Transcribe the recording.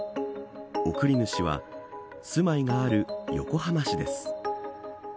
送り主は住まいがある横浜市です。